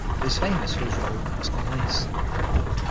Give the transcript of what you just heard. He is famous for his role in Os Normais.